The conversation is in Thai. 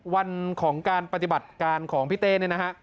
วันของการปฏิบัติการของพี่เต้เนี่ยนะฮะ